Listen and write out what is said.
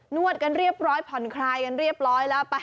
วดกันเรียบร้อยผ่อนคลายกันเรียบร้อยแล้วไป